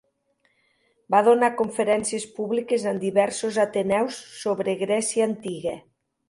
Va donar conferències públiques en diversos ateneus, sobre Grècia antiga.